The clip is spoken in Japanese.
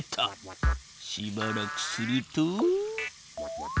しばらくすると。